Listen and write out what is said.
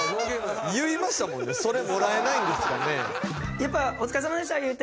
やっぱ。